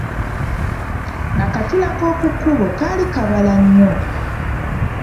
Akatula k’oku kkubo kaali kaabala nnyo.